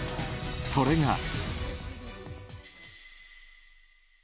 それが。